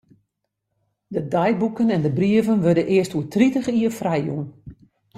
De deiboeken en de brieven wurde earst oer tritich jier frijjûn.